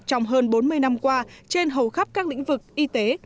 trong hơn bốn mươi năm qua trên hầu khắp các lĩnh vực y tế